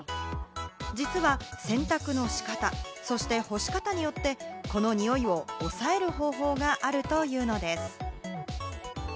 実は洗濯の仕方、そして干し方によって、この臭いを抑える方法があるというのです。